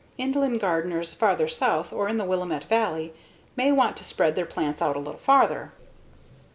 Inland gardeners farther south or in the Willamette Valley may want to spread their plants out a little farther.